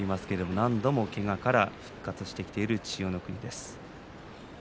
何度もけがから復活している千代の国です。